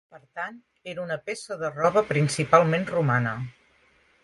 Per tant, era una peça de roba principalment romana.